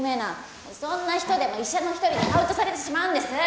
そんな人でも医者の一人にカウントされてしまうんです。